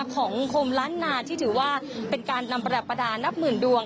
ของคมล้านนาที่ถือว่าเป็นการนำประดับประดานับหมื่นดวง